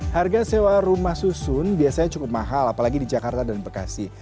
harga sewa rumah susun biasanya cukup mahal apalagi di jakarta dan bekasi